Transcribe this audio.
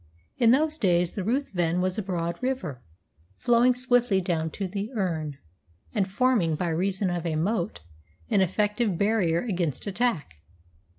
In those days the Ruthven was a broad river, flowing swiftly down to the Earn, and forming, by reason of a moat, an effective barrier against attack.